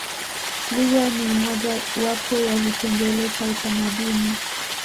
lugha ni moja wapo ya kipengele cha utamaduni